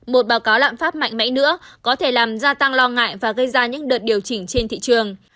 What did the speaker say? một báo cáo lạm phát mạnh mẽ nữa có thể làm gia tăng lo ngại và gây ra những đợt điều chỉnh trên thị trường